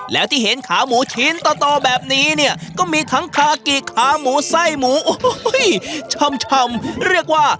แล้วที่เห็นขาหมูชิ้นต่อแบบนี้เนี่ยก็มีทั้งคากิขาหมูไส้หมูโอ้โหชำเรียกว่า